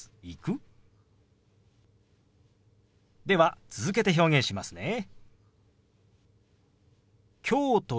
では続けて表現しますね。